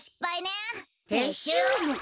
てっしゅう。